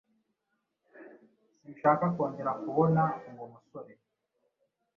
Sinshaka kongera kubona uwo musore.